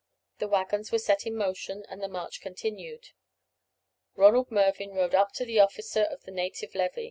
The waggons were set in motion, and the march continued. Ronald Mervyn rode up to the officer of the native levy.